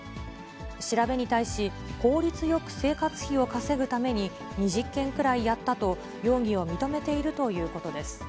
調べに対し、効率よく生活費を稼ぐために、２０件くらいやったと容疑を認めているということです。